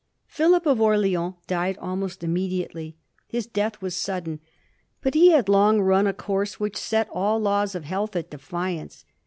Philip of Orleans died almost immediately. His death was sudden ; but he had long run a course which set all laws of health at defiance.